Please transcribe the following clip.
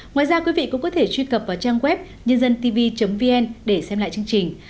ngoài ra quý vị cũng có thể truy cập vào trang web nhândântv vn để xem lại chương trình